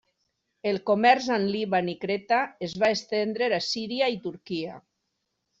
El comerç amb Líban i Creta es va estendre a Síria i Turquia.